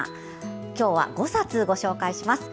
今日は５冊ご紹介します。